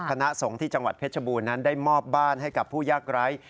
คณะสงฆ์ที่จังหวัดเพชรบูรณนั้นได้มอบบ้านให้กับผู้ยากไร้